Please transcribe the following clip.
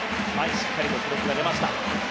しっかり記録が出ました。